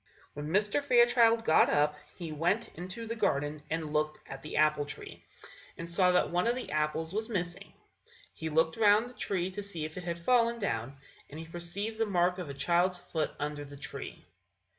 When Mr. Fairchild got up, he went into the garden and looked at the apple tree, and saw that one of the apples was missing; he looked round the tree to see if it had fallen down, and he perceived the mark of a child's foot under the tree.